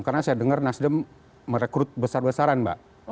karena saya dengar nasdem merekrut besar besaran mbak